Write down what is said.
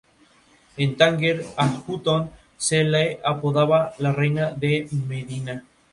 En Tánger, a Hutton se la apodaba la "Reina de Medina".